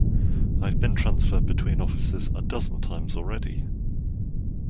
I've been transferred between offices a dozen times already.